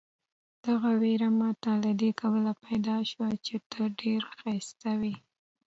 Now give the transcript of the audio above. دغه وېره ماته له دې کبله پیدا شوه چې ته ډېر ښایسته وې.